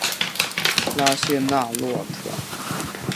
拉谢纳洛特。